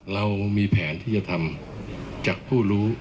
เรามีแผนที่จะทำจากผู้รู้